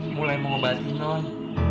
mulai mengobati non